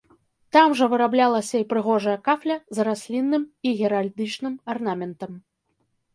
Там жа выраблялася і прыгожая кафля з раслінным і геральдычным арнаментам.